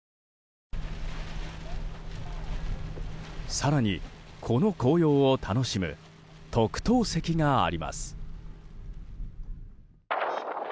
更に、この紅葉を楽しむ特等席があります。